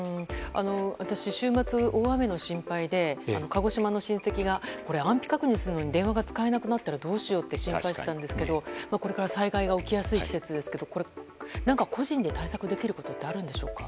私、週末、大雨の心配で鹿児島の親戚が安否確認するのに電話が使えなくなったらどうしようと心配してたんですけどこれから災害起きやすい季節ですけど何か個人で対策できることってあるんでしょうか？